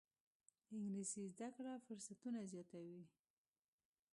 انګلیسي زده کړه فرصتونه زیاتوي